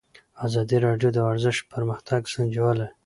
ازادي راډیو د ورزش پرمختګ سنجولی.